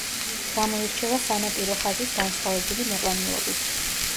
გამოირჩევა სანაპირო ხაზის განსხვავებული მოყვანილობით.